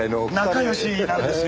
仲良しなんですよ。